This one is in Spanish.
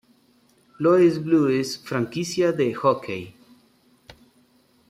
Louis Blues franquicia de hockey.